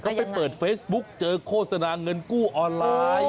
เขาไปเปิดเฟซบุ๊กเจอโฆษณาเงินกู้ออนไลน์